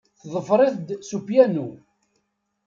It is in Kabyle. Teḍfer-it-d s upyanu.